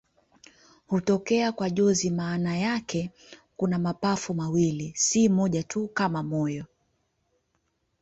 Hutokea kwa jozi maana yake kuna mapafu mawili, si moja tu kama moyo.